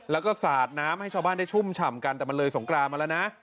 แล้วก็สาดน้ำให้ชาวบ้านได้ชุ่มฉ่ำกันแต่มันเลยสงกรานมาแล้วนะ